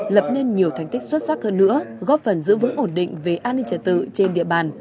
lập nên nhiều thành tích xuất sắc hơn nữa góp phần giữ vững ổn định về an ninh trật tự trên địa bàn